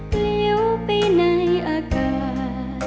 ปลิ้วไปในอากาศ